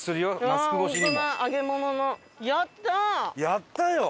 やったよ！